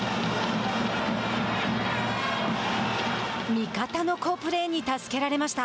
味方の好プレーに助けられました。